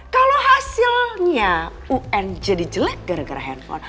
kalau hasilnya un jadi jelek gara gara handphone